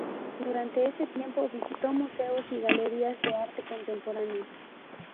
Durante ese tiempo visitó museos y galerías de arte contemporáneo.